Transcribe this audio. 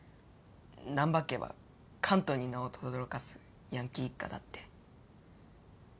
難破家は関東に名をとどろかすヤンキー一家だって。